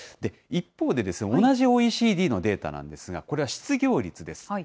一方で、同じＯＥＣＤのデータなんですが、これは失業率です。